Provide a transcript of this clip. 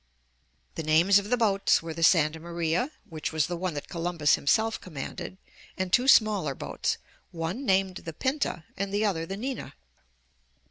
The names of the boats were the Santa Maria, which was the one that Columbus himself commanded, and two smaller boats, one named the Pinta and the other the Nina.